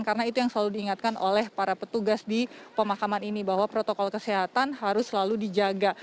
karena itu yang selalu diingatkan oleh para petugas di pemakaman ini bahwa protokol kesehatan harus selalu dijaga